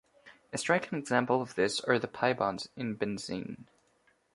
A striking example of this are the pi bonds in benzene.